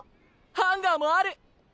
ハンガーもある！